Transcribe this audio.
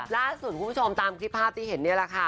ล่าสุดคุณผู้ชมตามคลิปภาพที่เห็นนี่แหละค่ะ